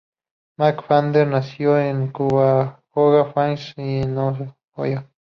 McFadden nació en Cuyahoga Falls, en Ohio.